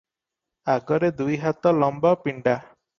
ଆଗରେ ଦୁଇହାତ ଲମ୍ବ ପିଣ୍ତା ।